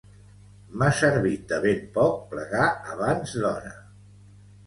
M'ha servit de ben poc plegar abans d'hora